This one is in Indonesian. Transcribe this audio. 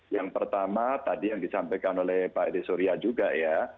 yang pertama tadi yang disampaikan oleh pak edi surya juga ya